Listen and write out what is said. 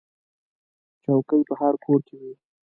چوکۍ په هر کور کې وي.